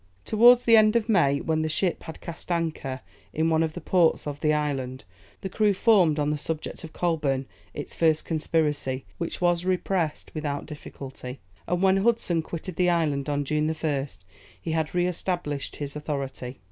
Towards the end of May, when the ship had cast anchor in one of the ports of the island, the crew formed on the subject of Coleburne, its first conspiracy, which was repressed without difficulty, and when Hudson quitted the island on June 1st, he had re established his authority.